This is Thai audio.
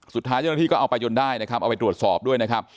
สุดท้ายก็เอาไปยนต์ได้นะครับเอาไปตรวจสอบด้วยนะครับ